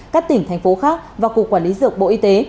các tỉnh thành phố khác và cục quản lý dược bộ y tế